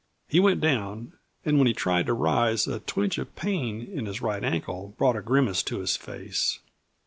He went down, and when he tried to rise a twinge of pain in his right ankle brought a grimace to his face.